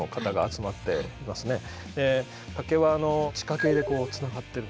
で竹は地下茎でこうつながってる。